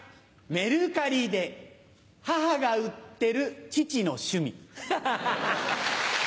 メルカリで母が売ってる父の趣味。